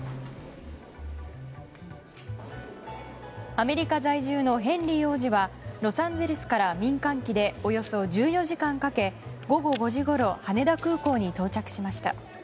アメリカ在住のヘンリー王子はロサンゼルスから民間機でおよそ１４時間かけ午後５時ごろ羽田空港に到着しました。